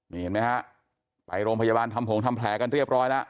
นี่เห็นไหมฮะไปโรงพยาบาลทำผงทำแผลกันเรียบร้อยแล้ว